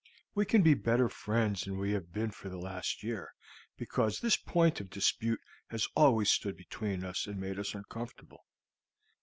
We can be better friends than we have been for the last year, because this point of dispute has always stood between us and made us uncomfortable.